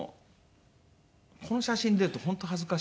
この写真出ると本当恥ずかしいですね。